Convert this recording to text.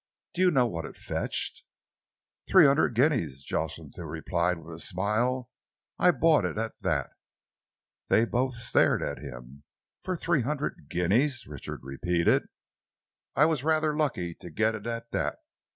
Do you know what it fetched?" "Three hundred guineas," Jocelyn Thew replied with a smile. "I bought it at that." They both stared at him. "For three hundred guineas?" Richard repeated. "I was rather lucky to get it at that.